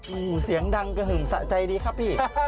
โอ้โหเสียงดังกระหึ่มสะใจดีครับพี่